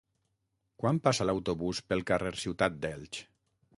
Quan passa l'autobús pel carrer Ciutat d'Elx?